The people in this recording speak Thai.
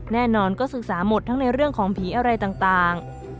แน่นอนก็ศึกษาหมดทั้งในเรื่องของผีอะไรต่าง